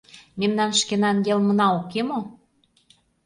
Мемнан шкенан йылмына уке мо?